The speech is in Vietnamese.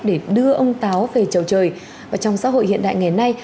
để đưa ông táo về trầu trời và trong xã hội hiện đại ngày nay